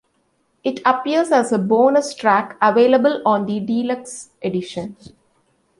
It appears as a bonus track available on the deluxe edition.